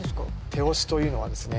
「手押し」というのはですね